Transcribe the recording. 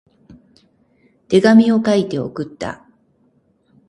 手紙を書いて送った。